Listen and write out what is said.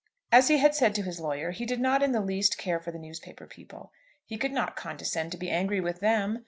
As he had said to his lawyer, he did not in the least care for the newspaper people. He could not condescend to be angry with them.